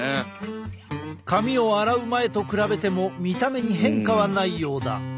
髪を洗う前と比べても見た目に変化はないようだ。